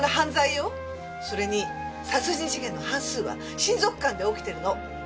それに殺人事件の半数は親族間で起きてるの！